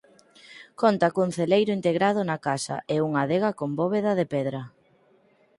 Conta cun celeiro integrado na casa e unha adega con bóveda de pedra.